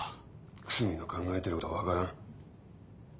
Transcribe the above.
楠見の考えてることはわからん。